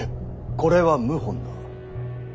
これは謀反だ。